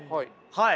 はい。